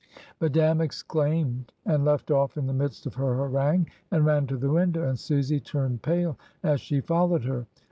Madame exclaimed, and left off in the midst of her harangue and ran to the window, and Susy turned pale as she followed her.